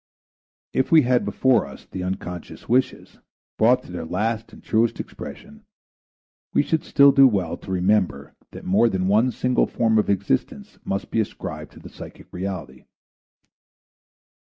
If we had before us the unconscious wishes, brought to their last and truest expression, we should still do well to remember that more than one single form of existence must be ascribed to the psychic reality.